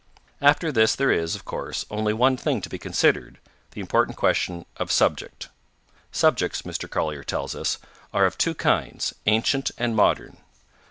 After this there is, of course, only one thing to be considered, the important question of subject. Subjects, Mr. Collier tells us, are of two kinds, ancient and modern.